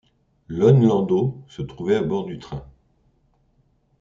Lon Landau se trouvait à bord du train.